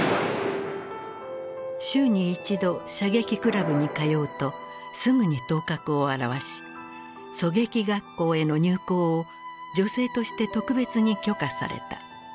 週に１度射撃クラブに通うとすぐに頭角を現し狙撃学校への入校を女性として特別に許可された。